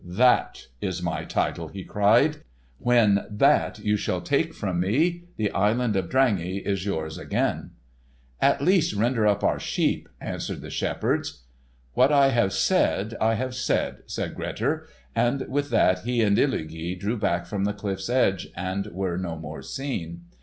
"That is my title," he cried. "When that you shall take from me, the Island of Drangey is yours again." "At least render up our sheep," answered the shepherds. "What I have said, I have said!" cried Grettir, and with that he and Illugi drew back from the cliff's edge and were no more seen.